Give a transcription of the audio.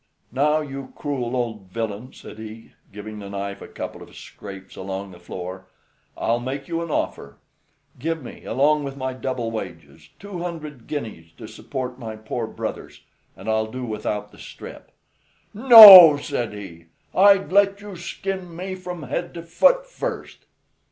"Now you cruel old villain," said he, giving the knife a couple of scrapes along the floor: "I'll make you an offer. Give me, along with my double wages, two hundred guineas to support my poor brothers, and I'll do without the strip." "No!" said he, "I'd let you skin me from head to foot first."